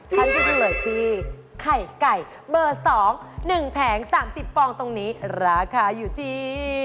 ฉันจะเฉลยที่ไข่ไก่เบอร์๒๑แผง๓๐ปองตรงนี้ราคาอยู่ที่